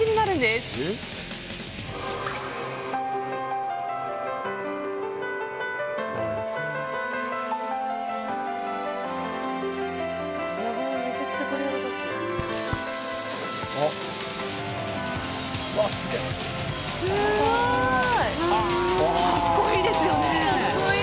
すごい！格好いいですよね。